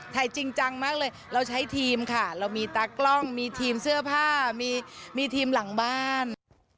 จริงจังมากเลยเราใช้ทีมค่ะเรามีตากล้องมีทีมเสื้อผ้ามีทีมหลังบ้าน